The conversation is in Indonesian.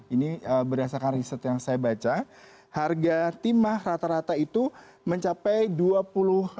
ini berdasarkan riset yang saya baca harga timah rata rata itu mencapai rp dua puluh